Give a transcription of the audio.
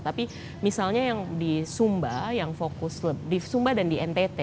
tapi misalnya yang di sumba yang fokus di sumba dan di ntt